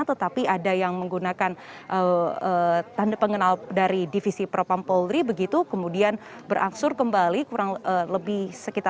tetapi ada yang menggunakan tanda pengenal dari divisi propam poldri begitu kemudian beraksur kembali kurang lebih sekitar lima menit setelahnya